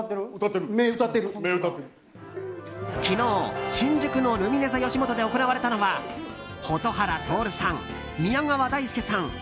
昨日、新宿のルミネｔｈｅよしもとで行われたのは蛍原徹さん、宮川大輔さん